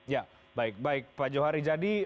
ya baik baik pak johari